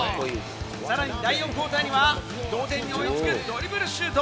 さらに第４クオーターには同点に追い付くドリブルシュート！